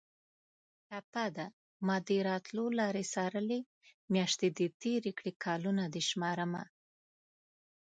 ټپه ده: مادې راتلو لارې څارلې میاشتې دې تېرې کړې کلونه دې شمارمه